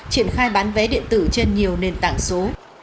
triển khai bán vé điện tử trên nhiều nền tảng số